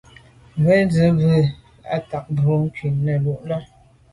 Ŋkrʉ̀n zə̃ bù à’ tsì bú bə́ á tà’ mbrò ŋkrʉ̀n nù nyɔ̌ŋ lá’.